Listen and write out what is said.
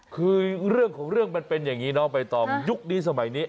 คือเรื่องของเรื่องมันเป็นอย่างนี้น้องใบตองยุคนี้สมัยนี้